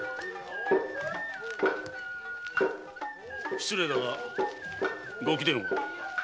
失礼だがご貴殿は？